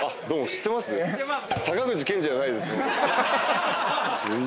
知ってますよ。